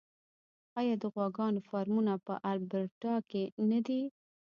آیا د غواګانو فارمونه په البرټا کې نه دي؟